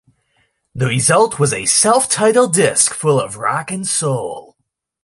The result was a self-titled disk full of rock and soul.